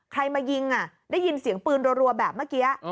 ใครมายิงได้ยินเสียงปืนรัวแบบเมื่อกี้